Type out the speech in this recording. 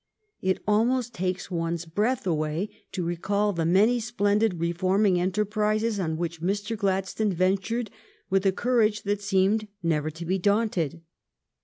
It almost takes one's breath away to recall the many splendid reforming enterprises on which Mr. Gladstone ventured with a courage that seemed never to be daunted.